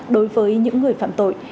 đối với những người phạm tội